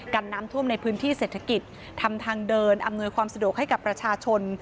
กันน้ำท่วมในพื้นที่เศรษฐกิจทำทางเดินอำนวยความสะดวกให้กับประชาชน